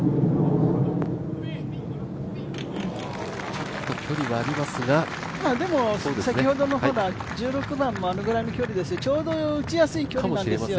ちょっと距離はありますが先ほども１６番もあのぐらいの距離でちょうど打ちやすい距離なんですよ